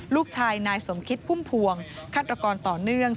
ลูกชายนายสมคิดพุ่มพวงฆาตกรต่อเนื่อง